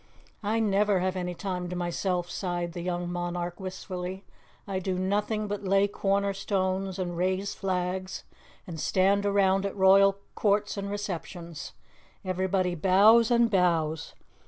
"I never have any time to myself," sighed the young monarch wistfully. "I do nothing but lay cornerstones and raise flags and stand around at Royal Courts and Receptions. Everybody bows and bows.